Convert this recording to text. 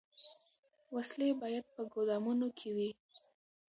وسلې باید په ګودامونو کي وي.